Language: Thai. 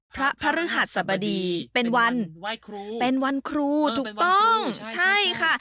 พระพระฤหัสสบดีเป็นวันเป็นวันครูถูกต้องใช่ค่ะ